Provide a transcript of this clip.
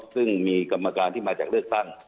ซึ่งมีกรรมการที่มาจากเลือกตั้ง